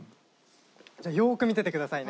じゃあよく見ててくださいね。